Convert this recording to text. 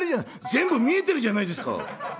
「全部見えてるじゃないですか！